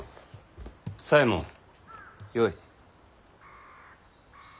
左衛門よい。